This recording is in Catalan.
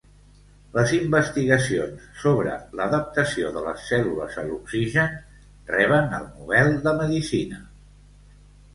Les investigacions sobre l'adaptació de les cèl·lules a l'oxigen reben el Nobel de medicina.